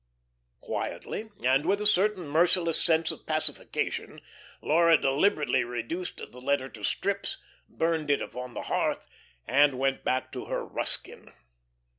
Quietly, and with a certain merciless sense of pacification, Laura deliberately reduced the letter to strips, burned it upon the hearth, and went back to her Ruskin.